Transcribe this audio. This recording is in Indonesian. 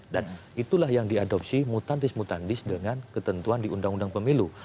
dan itulah yang diadopsi mutantis mutantis dengan ketentuan di undang undang pemilu